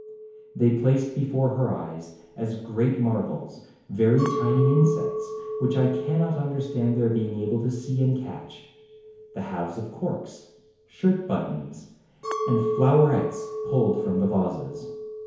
They placed before her eyes, as great marvels, very tiny in sects, which I cannot understand their being able to see and catch, the halves of corks, shirtbuttons, and 214 APRIL flowerets pulled from the vases.